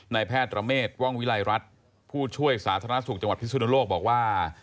แพทย์ระเมฆว่องวิลัยรัฐผู้ช่วยสาธารณสุขจังหวัดพิสุนโลกบอกว่า